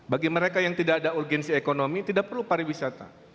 bagi mereka yang tidak ada urgensi ekonomi tidak perlu pariwisata